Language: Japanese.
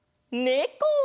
ねこ！